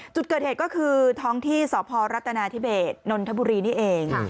จุดเกิดเหตุก็คือท้องที่สพรัฐนาธิเบสนนทบุรีนี่เอง